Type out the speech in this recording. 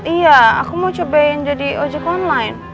iya aku mau cobain jadi ojek online